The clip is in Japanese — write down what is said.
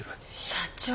社長